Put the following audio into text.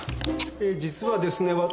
えー実はですね私。